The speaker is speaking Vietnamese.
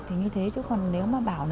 thì như thế chứ còn nếu mà bảo